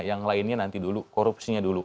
yang lainnya nanti dulu korupsinya dulu